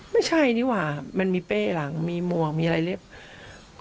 ไม่ใช่นี่หว่ามันมีเป้หลังมีหมวกมีอะไรเรียบ